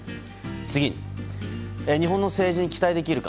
次、日本の政治に期待できるか。